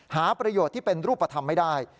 หาประโยชน์ที่เป็นรูปธรรมไม่ได้